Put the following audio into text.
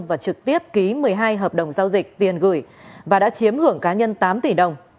và trực tiếp ký một mươi hai hợp đồng giao dịch tiền gửi và đã chiếm hưởng cá nhân tám tỷ đồng